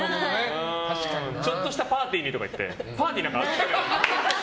ちょっとしたパーティーになんて言ってパーティーなんてない。